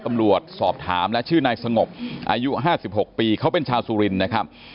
ตำรวจสอบถามและชื่อนายสงบอายุ๕๖ปีเขาเป็นชาวสุรินนะครับ